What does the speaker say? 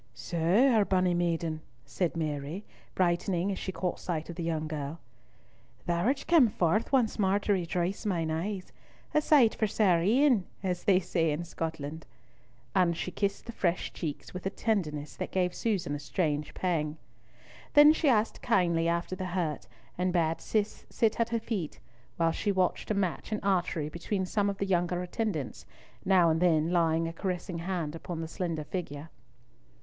"So, our bonnie maiden," said Mary, brightening as she caught sight of the young girl, "thou art come forth once more to rejoice mine eyes, a sight for sair een, as they say in Scotland," and she kissed the fresh cheeks with a tenderness that gave Susan a strange pang. Then she asked kindly after the hurt, and bade Cis sit at her feet, while she watched a match in archery between some of the younger attendants, now and then laying a caressing hand upon the slender figure.